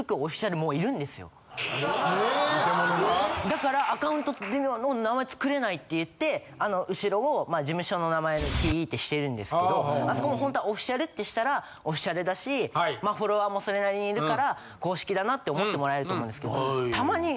だからアカウント名前作れないっていってあの後ろをまあ事務所の名前のＴＥってしてるんですけどあそこもほんとはｏｆｆｉｃｉａｌってしたらｏｆｆｉｃｉａｌだしまあフォロワーもそれなりにいるから公式だなって思ってもらえると思うんですけどたまに。